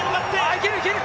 いけるいける！